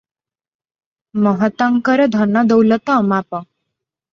ମହନ୍ତଙ୍କର ଧନ ଦୌଲତ ଅମାପ ।